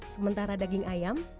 sementara daging ayam